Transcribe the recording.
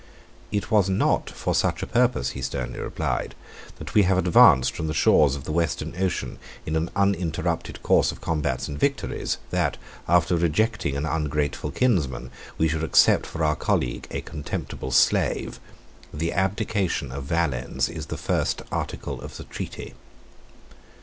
"It was not for such a purpose," he sternly replied, "that we have advanced from the shores of the western ocean in an uninterrupted course of combats and victories, that, after rejecting an ungrateful kinsman, we should accept for our colleague a contemptible slave. The abdication of Valens is the first article of the treaty."